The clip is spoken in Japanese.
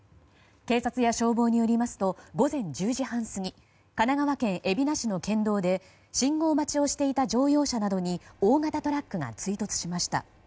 警察や消防によりますと午前１０時半過ぎ神奈川県海老名市の県道で信号待ちをしていた乗用車などに大型トラックが追突しました。